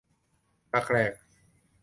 ดักแหลก